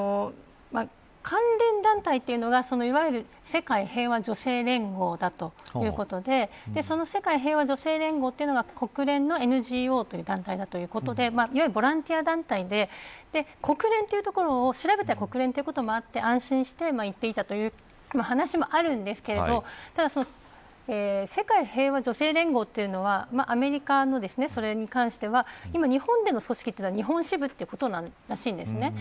関連団体というのが、いわゆる世界平和女性連合だということでその世界平和女性連合というのが国連のＮＧＯという団体ということでいわゆるボランティア団体で国連というところを調べて国連ということもあって安心して行っていたという話もあるんですが世界平和女性連合というのはアメリカのそれに関しては日本での組織というのは日本支部ということらしいんですね。